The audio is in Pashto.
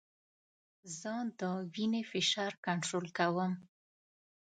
زه د وینې فشار کنټرول کوم.